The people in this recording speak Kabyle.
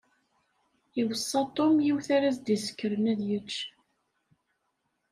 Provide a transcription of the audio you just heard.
Iweṣṣa Tom yiwet ara s-d-isekren ad yečč.